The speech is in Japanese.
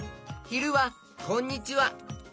ひるは「こんにちは」。